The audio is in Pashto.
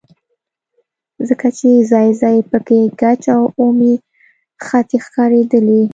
ځکه چې ځاى ځاى پکښې ګچ او اومې خښتې ښکارېدلې.